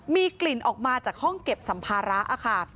มีกลิ่นออกมาจากห้องเก็บสัมภาระค่ะ